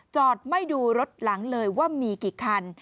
จอดไม่ดูรถหลังเลยว่ามีกี่คัน